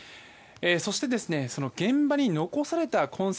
そして、現場に残された痕跡